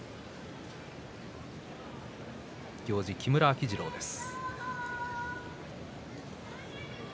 行司、木村秋治郎です。